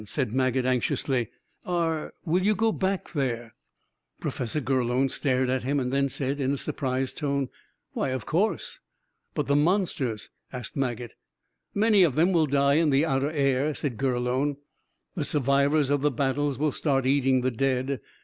asked Maget anxiously. "Are will you go back there?" Professor Gurlone stared at him, and then said, in a surprised tone, "Why, of course!" "But the monsters?" asked Maget. "Many of them will die in the outer air," said Gurlone. "The survivors of the battles will start eating the dead.